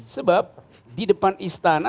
sebab di depan istana